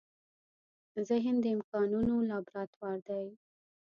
ذهن د امکانونو لابراتوار دی.